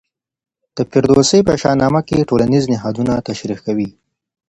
د فردوسي په شاه نامه کې ټولنیز نهادونه تشریح کوي.